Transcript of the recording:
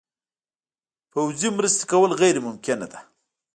پوځي مرستې کول غیر ممکنه ده.